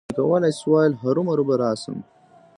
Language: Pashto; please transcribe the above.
که مې کولای شول، هرومرو به راشم.